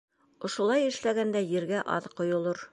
Ошолай эшләгәндә, ергә аҙ ҡойолор.